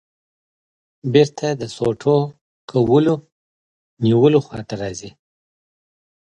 بېرته د سوټو کولونیلو خواته راځې.